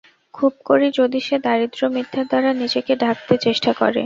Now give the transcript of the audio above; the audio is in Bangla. খুব করি, যদি সে দারিদ্র্য মিথ্যার দ্বারা নিজেকে ঢাকতে চেষ্টা করে।